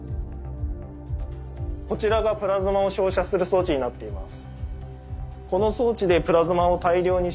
こちらがプラズマを照射する装置になっています。